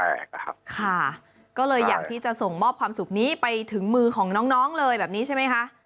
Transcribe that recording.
ค่ะก็เลยอยากที่จะส่งมอบความสุขนี้ไปถึงมือของน้องเลยแบบนี้ใช่ไหมคะ